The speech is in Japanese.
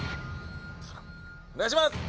お願いします！